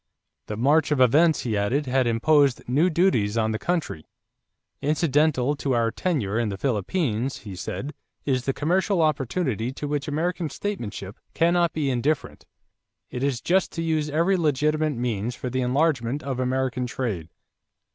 The march of events, he added, had imposed new duties on the country. "Incidental to our tenure in the Philippines," he said, "is the commercial opportunity to which American statesmanship cannot be indifferent. It is just to use every legitimate means for the enlargement of American trade."